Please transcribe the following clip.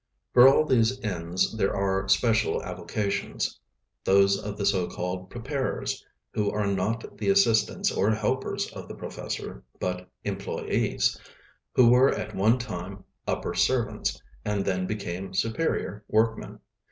For all these ends there are special avocations, those of the so called "preparers," who are not the assistants or helpers of the professor, but employés who were at one time upper servants, and then become superior workmen.